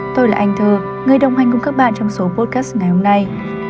tôi là anh thơ người đồng hành cùng các bạn trong số podcast ngày hôm nay